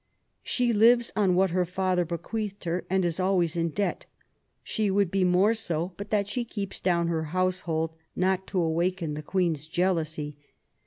She lives on what her father be queathed her, and is always in debt ; she would .be more so but that she keeps down her household not to awaken the Queen's jealousy.